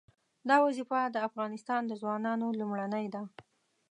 دا وظیفه د افغانستان د ځوانانو لومړنۍ ده.